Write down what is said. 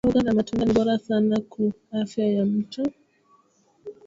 Mboga na matunda ni bora sana ku afya ya mutu